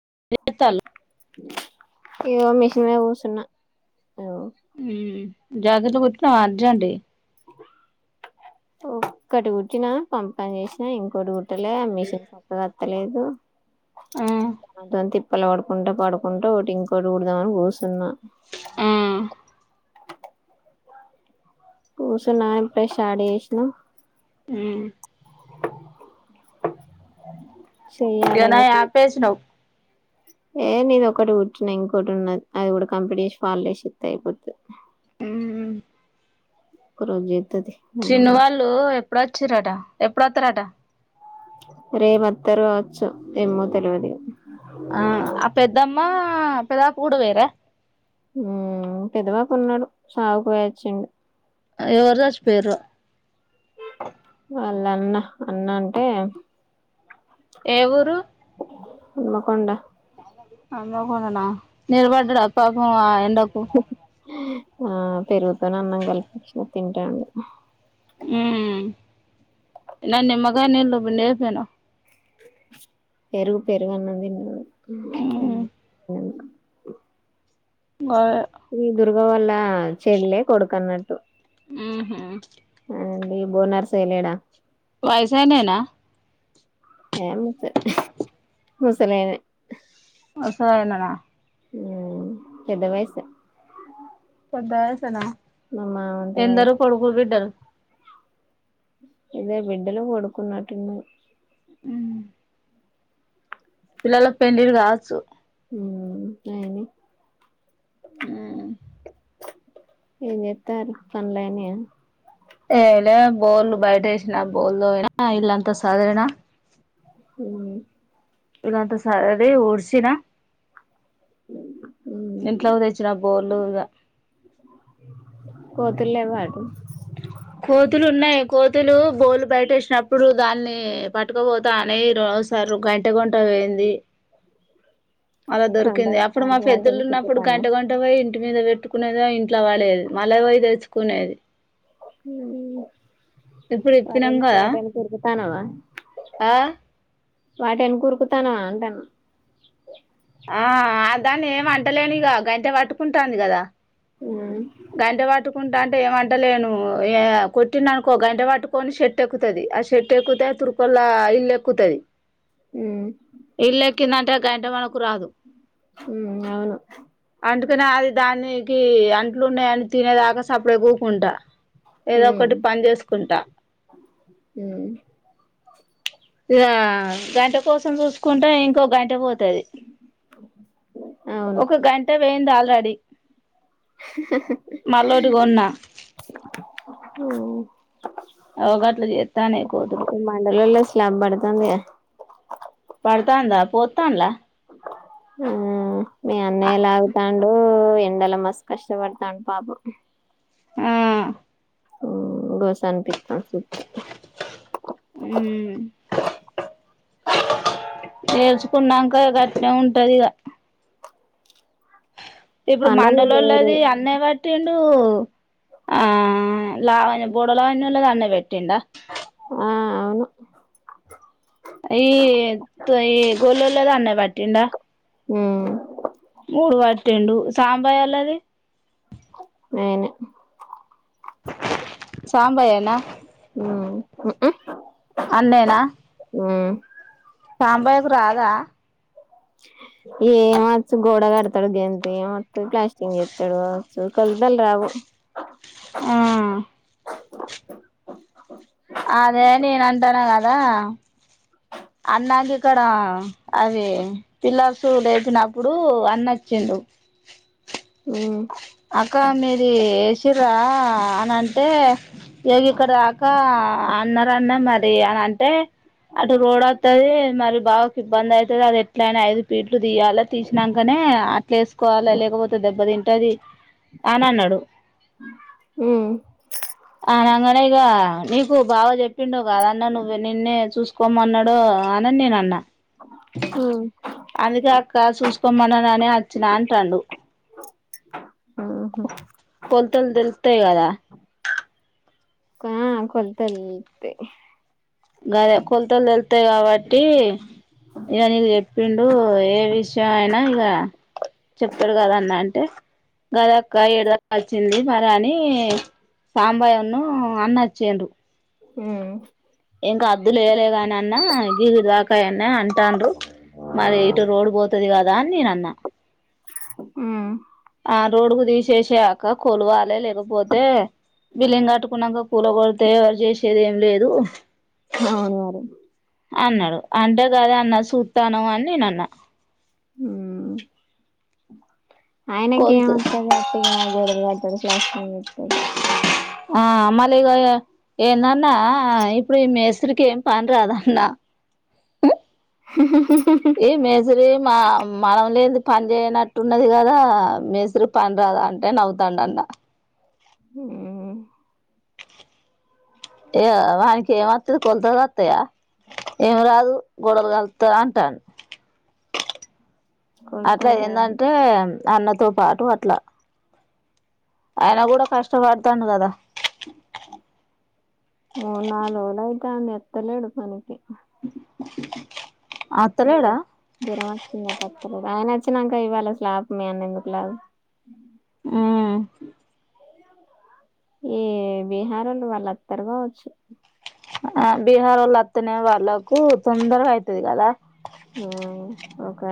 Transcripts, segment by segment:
[unintelligible] ఇగో machine మీద గుసున్న జాకెట్లు కుట్టినవ అర్జెంటీ ఒక్కటి కూర్చునా పంపని చేసినా ఇంకోటి కుట్ [unintelligible] మిషిన్ [unintelligible] తప్పలేదు తిప్పలు పడుకుంటా పడుకుంటా ఒకటి ఇంకోొటి కుడదామని కూసున్న ఆ కూసున్న ఇప్పుడే స్టార్ చేసిన. ఉహు ఇగ నాయి ఆపేసినవు. ఏ నీది ఒకటి కుట్టిన. ఇంకోటి ఉన్నది అది కూడా కంప్లీట్ చేసి ఫాల్ ఐషి ఇస్త అయిపోతుంది. ఉహు ఒక్క రోజు చేయతాతియి. చిన్నూ వాళ్ళు ఎప్పుడొచ్చారట ఎప్పు. ఎప్పుడొస్తారట. రేపు వతారు కావచ్చు. ఏమో తెలవదు ఇగ ఆ ఆ పెద్దమ్మ. పెదబాబు కూడా పోయిరా. పెద్దబాపు ఉన్నాడు సావుకు పోయచ్చిడు. ఎవరు సచ్చి పోయిరో. వాళ్ళు అన్న అన్న అంటే. ఏ ఊరు. హన్మకొండ. హనుమకొండ నా నిలబడ్డాడా పాపం ఆ ఎ. ఎండకు ఆ పెరుగుతోని అన్నం కలిపించిన తింటాడు. ఊ ఇనాన్ని నిమ్మకాయ నీళ్లు పిండియి. అంతేనా. పెరుగు పెరుగు అన్నం తిన్నాడు. ఓ గదే ఈ దుర్గ వాళ్ళ చెల్లే కొడుకు అన్నట్టు. ఉహు అండి బో నరసయ్య లేడా. వైసాయనేనా. ఏ ము ముసలేైైనే. ముసలి ఆయననా. ఉ పెద్దవయసే. పెద్ద వయసేన. ఎందరు వయసు కొడుకులు బిడ్డలు. ఇద్దరు బిడ్డలు ఓ కొడుకు ఉన్నట్టున్నాడు. హు పిల్లల పెండ్లిలు కావచ్చు. హు అయ్యోనాయి. ఊ ఏం చేస్తారు పనులైనయా. ఏలే బోల్లు బయట ఏసిన బోలుదొమిన ఇల్లంతా సదిరిన. ఇలాంటి సరే ఊడ్సిన ఇంట్లోక్ తెచ్చిన బోలుగా తెల్లవాడు కోతులు ఉన్నాయి కోతులు బోలు బయట వేస్నప్పుడు దాన్ని పట్టుక్పోతా అనే సార్ గంట కొంట పోయింది. అలా దొరికింది అప్పుడు మా వాటేనక పెద్దలు వాటేనక ఉన్నప్పుడు తిరుగుతానవా గంట గంట పోయి మీద పెట్టుకునేదా ఇంటి ఇట్లా వాడలేది మళ్ పోయి తె కొనేది ఈ ఇప్పుడు ఇప్పినాం కదా ఆ వాటిని కూరుకుతాను అంటాను ఆ అ దాన్ని ఏం అంటలేని ఇక గంటే పట్టుకుంటాంది కదా ఉమ్ గంట వాటుకుంట అంట అంటే ఏమంటలేను ఏ కొట్టిన అనుకో గంట పట్టుకొని షట్ ఎక్కుతుది ఆ షర్ట్టు ఎక్కుతే తురుకలా ఇల్లు ఎక్కుతుది ఉమ్ ఇల్కి నాంట కంట మన కురాదు ఉమ్ అవును అందుకనే అది దాన్ని అంట ఇట్లు ఉన్నాయని తినేదాకా సప్పుడే కూకుంటా ఏదో ఉమ్ ఒకటి పని చేసుకుంటా ఉమ్ ఇలా గంట కోసం చూసుకుంటే ఇంకోక గంట పోతు అవును ఒక గంట వే రడి ఓ అవగట్లు చేస్తానే కోదులు క్లబ్ బడదంది పడతాందా పోతాంలా హ్మ్ మీ అన్నయ్యలాగుతాండు ఎండల మస్తు కష్టపడతాండు పాపం ఆ గోసాన్పిఠ నేర్చుకున్నాక గట్నే ఉంటది ఇక ఇప్పుడు పనోళ్ళు లేరు మండలళది అన్న వాట్టి ను లావా బోడగాల్లోల్లు ఆన్నే పెట్టిండా ఆ అవును ఈ ఈ గోళల్లోలది అన్న పట్టిండా హ్మ్ మూడు పటిండు సాంబయ్యళ్ళది నేనే సాంబయ్యనా హ్మ్ అన్నేనా హ్మ్ సాంబయ్యకు రాదా ఏమచ్చు గోడ కడతాడు గెంత ఏమొత్త ప్లాస్టిక్ చేస్తాడు వవచ్చు కలుతాల రావు ఆ అదే నేను అంటానా కదా అన్నాకి ఇక్కడ అది పిల్లర్సు లేపినప్పుడు అన్న వచ్చిండు ఉమ్ అక్క మీది ఏసీ చ్చిర్రా అని అంటే చెవిక రాక అందరు అన్నది మరి చేయాలంటే అటు రోడ్ ఉంటది అది మరి బావకి ఇబ్బంది అయితది అది ఎట్లైనా ఐదు బిట్లు తీయాలి తీసినంకనే అట్లేసుకోవాలే లేకపోతే దెబ్బ తింటది అని అన్నడు ఉమ్ అనంగనే ఇగ నీకు బావ చెప్పిండు గాదన్న నువ్వు నిన్నే చూసుకోమన్నాడు ప్పు అనని నేను అన్న హ్మ్ అందుకే అక్క చూసుకోమన్నానే వచ్చినాఅంటాండు ఆహా కొలతలు తెలు అంతే కదా ఆ కొలతలది త కావట్ ఏ ఎప్పుడు ఇప్పుడు ఏ విషయం అయినా ఇక చెప్పాడు కదాన్న అంటే గదక్క ఏడుదకా వచ్చింది మరి అని సాంబాయన్ను అన్న వచ్చా్ర ఇంకా అద్దులుయలే కాని అన్నా గ దాకాయన్న అంటాండ్ర మరి ఇటు రోడ్ పోతుది కాదుా రాధీ నన్నా ఉ రోడ్ కు తీసేసాక కొల్వాలే పోోతే బిలింగ ఆట్కున్నగా కూూరగలు తయారు చేసేది ఏం లేదు అవునువర అన్నాడు అంటే కాదా అన్న చూతాను అని నేను అన్నా అ ఆయనకి ఏ కొల్ ఆతది అక్కటిగా గోడ ఆడతది క్లాస్తడు ఆ మళ ఇగ ఎన్నాన్నా ఇప్పుడు ఈ మస్రికి ఏం పని రాద అన్న ఈ మేసరి మా మనం లేందుకు పని చేయనట్టున్నది కదా మేస్త్రి పని రాదా అంటే నవ్వుతాండ అన్న మ్ కొలుతలొత్తయా ఏం రాదు గొడలు గాలుత్త అంటాను అట్లా కొలతలు కాదు ఏందంటే నాన్నతో పాటు అట్లా ఆయన గూడా కష్టపడతాండు గదా ఓ నాలు వోల అయితే అంది ఎత్తలేడు మనకి [inaudible] జర అత్తలేడా జర వచ్చి ప ర ఆయన వచ్చినాక ఇవ్వాలి అసలు లాభమ అన్న ఎందుకులాభ మ్ ఈ బీహారోల్లు వాళ్ళత్తరు కావచ్చు ఆ బీహార్ వాల్లోత్తనే వాళ్ళకు తొందరగా అయితది గదా ఆ ఒక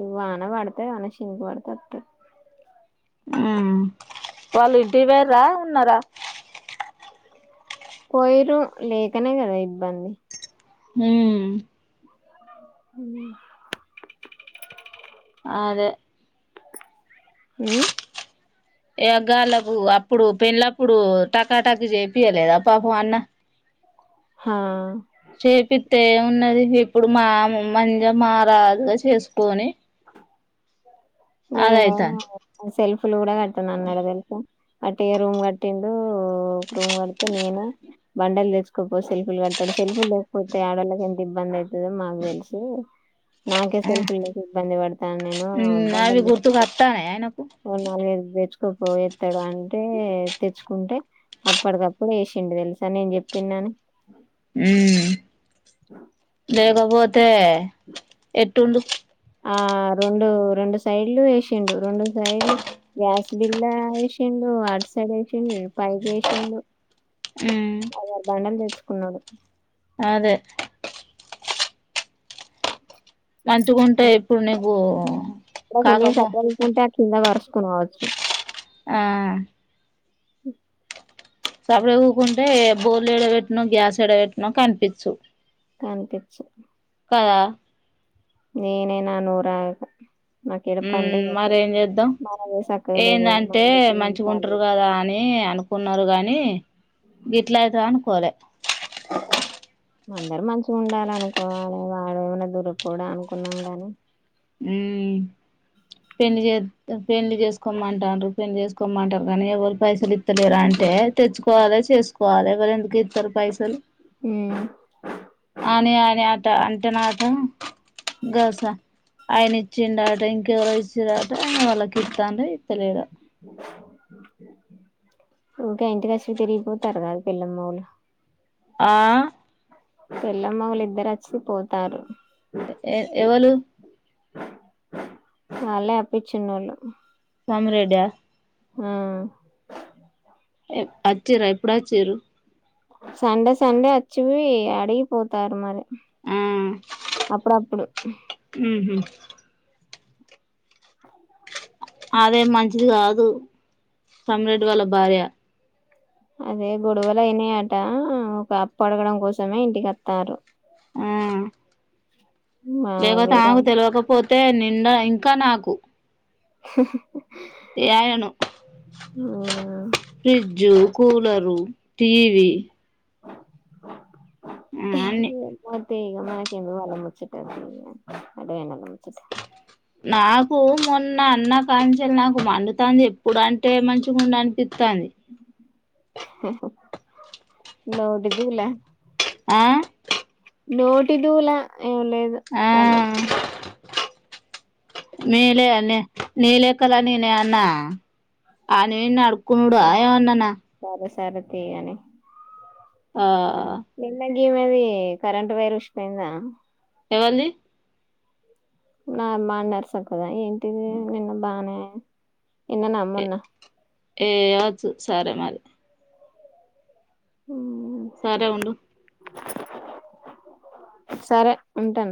ఇ వాన వడితే అన శినుకు వడతట్టు మ్ వాళ్ళు ఇంటికి పోయిర్రా ఉన్నారా పోయిరు లేకనే గదా ఇబ్బంది హూ మ్ ఆదే ఊ ఏ అగ్గాళ్ళకు అప్పుడు పెండ్లప్పుడు టకా టకు చేపియలేదా పాపం అన్న హా చేపితే ఉన్నది ఇప్పుడు మా మజ మా రాదుగా చేసుకోని నేను ఉ సెల్ఫ్ ఫ కూడా [inaudible] నన్న నడద అట్ రూమ్ గట్టి ఓ ఒక రూమ్ కడితే నేను బండలు తెచ్చుకోపో సెల్ఫీలు కడతాడు సెల్ఫీ లేకపోతే ఆడవాళ్ళకి ఎంత ఇబ్బంది అవు ో మాకు తెలుసు నాకే షెల్ఫ్లేక ఇబ్బంది పడతాను నేను నవి బండలు తెచ్చుకోపో గుర్తువోతనయ నాకు కు పో ఎస్తాడు అంటే తెచ్చుకుంటే అప్పటికప్పుడు యాసిండు తెలుసా నేను చెప్పిినను ఊ లేకపోతే డూమ్ ఆ రెండు రెండు సైడ్లు ఎసిండు రెండు సైడ్లు గ్యాస్ బిల్ ఎసిండు అటు సైడ్ ఎసిండు పైకి ఎసిండు హ్మ్ ఆర్ బండలు తెచ్చుకొని కున్నాడు అదే మంచిగ ఉంటే ఇప్పుడు నీకు కాకబొ కొనువోచు ఆ ఓ సపడ కూకట్ బౌల్ ఎడబెట్టిన గ్యాస్ ఎడబెట్టిన కనిపించు కనిపించు కదా నేననా నూర ఊ మరేం చేద్దాం మనదే సక్కగా లేదు కానీ ఏందంటే మందికి మంచిగా ఉంటారు చాలేదు కదా అని అనుకో కున్నారు గాని గిట్లా అయితేది అనుకోలే అందర మంచిగా ఉండాల అనుకోవాలి వాడు ఏమన్నా దురపో అనుకున్నాం గానీ ఊ పెళ్లి చే పెళ్లి చేసుకోమంటారు పెళ్లి చేసుకోమంటారు కానీ ఎవరు పైసలు ఇత్తలేరా అంటే తెచ్చు సుకోవాలి చేసుకోవాలి ఎవరు ఎందు ఇస్తారు పైసలు అని అని అట్లు అంటేనట గస ఆయన ఇచ్చిండట ఇంకేవరో ఇస్తున్ అ వాళ్ల కీర్తన ర తెలీదు ఉకా ఇంటి కోచి తిరిగిపోతారు కాదు పెల్లమ్మ వోలు ఆ పెల్లమ్మవాలు ఇద్దరు వచ్చి పోతారు ఏ ఎవలు వాళ్ళే అప్పించ నోళ్ళు సమ్రెడ ఆ వచ్చిర్ర ఎప్పుడ వచ్చిర్రు సండే సండే వచ్చివి అడిగిపోతారు మరి ఆ అప్పుడప్పుడు హమ్ అదే మంచిది కాదు సమ్రెడ్ వాళ్ళ భార్య అదే గొడవలు అయినాయట ఒక అప్పు అడగడం కోసమే ఇంటికి వస్తారు హమ్ మా లేవతే వేరే ఆకు ఉమ్. తెలవకపో అంతే నిండా ఇంకా నాకు ఏయను ఫ్రిడ్జు కూలరు టీవీ ఆ అన్ని తీ మనకెందుకు ఆమె ముచ్చట అడ్డమైనొల్ల ముచ్చట నాకు మొన్న అన్న కాంచల్ నాకు మండుతంది ఎప్పుడు అంటే మంచిగా ఉండి అనిపి త్తంది నోటిదూలా ఆ నోటి దూలా ఏం లేదు ఆ ఆల్లది నేలే అనే నీ లెక్కలని నే అన్నా ఆ నేనే అడు కుండా ఆ ఏవన్ననా సరే సరే తీ అని ఆ ఇమెది కరెంట్ వైర్ ఉష్పోయిందా ఎవల్దీ నా బండర్ సక్కదా ఏంటిది నిన్న బానే ఎన్న న ఏ మొన్నా ఏ యచ్చు సరే మరి ఉమ్, సరే ఉండు సరే ఉంటాన్